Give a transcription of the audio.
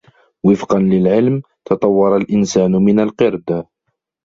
وفقا للعلم ، تطور الإنسان من القرد.